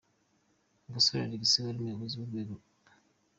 Gasore Alexis wari umuyobozi w’urwego P.